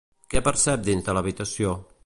Què percep dins de l'habitació?